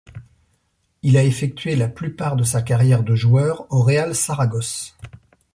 Il a effectué la plupart de sa carrière de joueur au Real Saragosse.